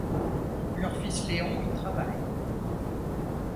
Leur fils Léon y travaille.